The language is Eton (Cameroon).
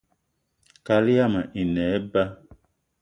Kaal yama i ne eba